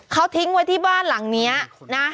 เขาทิ้งไว้ที่บ้านหลังนี้นะ